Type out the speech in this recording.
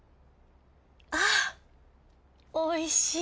あおいしい。